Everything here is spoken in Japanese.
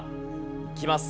いきます。